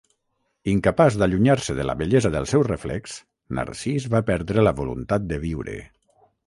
Incapaç d'allunyar-se de la bellesa del seu reflex, Narcís va perdre la voluntat de viure.